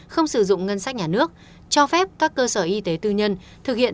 không sử dụng ngân sách nhà nước cho phép các cơ sở y tế tư nhân thực hiện